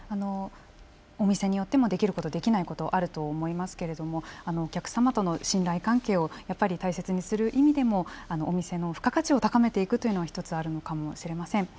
お店によってもできることできないことあると思いますけれどもお客様との信頼関係を大切にする意味でもお店の付加価値を高めていくというのは一つあるのかもしれません。